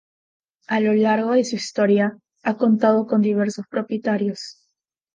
A lo largo de su historia ha contado con diversos propietarios.